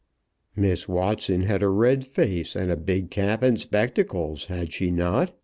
"Miss Watson had a red face, and a big cap, and spectacles; had she not?"